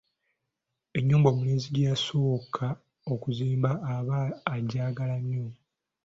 Ennyumba omulenzi gy’asooka okuzimba aba ajaagala nnyo.